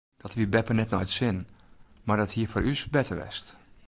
Dat wie beppe net nei it sin mar dat hie foar ús better west.